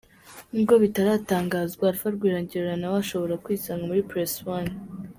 N'ubwo bitaratangazwa, Alpha Rwirangira nawe ashobora kwisanga muri Press One.